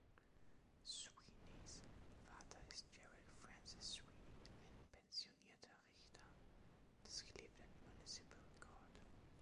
Sweeneys Vater ist Gerald Francis Sweeney, ein pensionierter Richter des Cleveland Municipal Court.